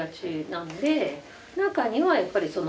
中にはやっぱりその。